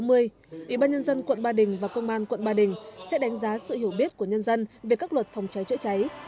ủy ban nhân dân quận ba đình và công an quận ba đình sẽ đánh giá sự hiểu biết của nhân dân về các luật phòng cháy chữa cháy